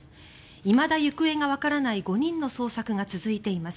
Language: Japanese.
いまだ行方がわからない５人の捜索が続いています。